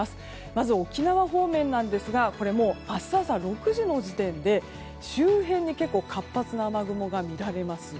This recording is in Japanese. まず沖縄方面ですが明日朝６時の時点で周辺に活発な雨雲が見られます。